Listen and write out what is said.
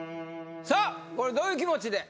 これどういう気持ちで？